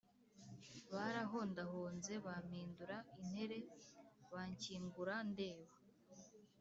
Barahondahonze Bampindura intere Banshyingura ndeba